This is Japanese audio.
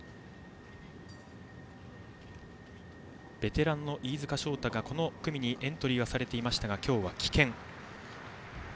ベテランの飯塚翔太がこの組にエントリーされていましたが今日は棄権。